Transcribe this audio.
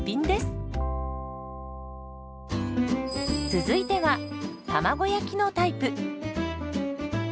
続いては卵焼きのタイプ。